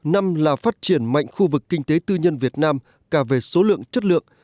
năm là phát triển mạnh khu vực kinh tế tư nhân việt nam cả về số lượng chất lượng